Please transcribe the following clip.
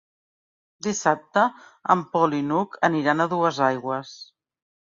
Dissabte en Pol i n'Hug aniran a Duesaigües.